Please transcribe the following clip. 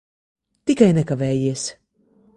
Tikai nekavējies.